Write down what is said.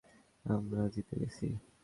আমরা জিতে গেছি!